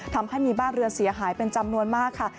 ทำให้มีบ้านเรือนเสียหายเป็นจำนวนมากค่ะ